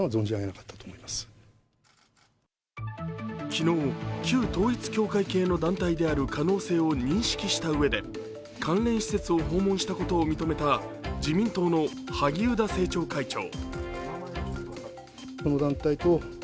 昨日、旧統一教会系の団体である可能性を認識したうえで関連施設を訪問したことを認めた自民党の萩生田政調会長。